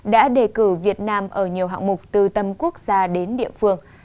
đã đề cử việt nam ở nhiều hạng mục từ tâm quốc gia đến địa phương